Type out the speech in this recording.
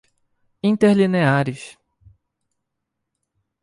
interlineares